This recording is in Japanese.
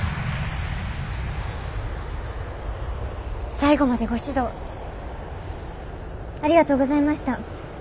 最後までご指導ありがとうございました。